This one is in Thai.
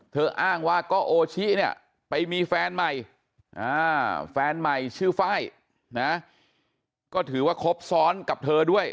อ้างว่าก็โอชิเนี่ยไปมีแฟนใหม่แฟนใหม่ชื่อไฟล์นะก็ถือว่าครบซ้อนกับเธอด้วย